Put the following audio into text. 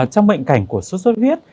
trong bệnh cảnh của suất huyết